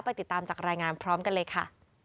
ติดตามจากรายงานพร้อมกันเลยค่ะ